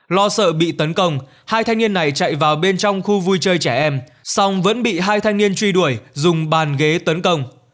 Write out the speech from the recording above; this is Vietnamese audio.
lo sợ bị tấn công hai thanh niên này chạy vào bên trong khu vui chơi trẻ em xong vẫn bị hai thanh niên truy đuổi dùng bàn ghế tấn công